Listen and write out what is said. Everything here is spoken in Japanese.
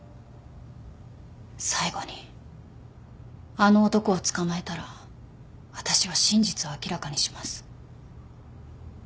最後にあの男を捕まえたら私は真実を明らかにします。